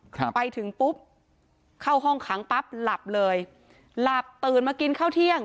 ครับไปถึงปุ๊บเข้าห้องขังปั๊บหลับเลยหลับตื่นมากินข้าวเที่ยง